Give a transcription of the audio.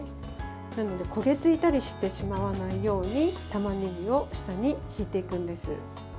なので、焦げ付いたりしてしまわないようにたまねぎを下に敷いていくんです。